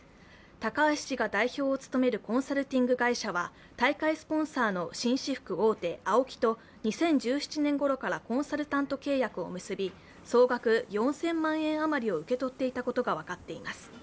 高橋氏が代表を務めるコンサルティング会社は高いスポンサーの紳士服大手ＡＯＫＩと２０１７年ごろからコンサルタント契約を結び、総額４０００万円あまりを受け取っていたことが分かっています。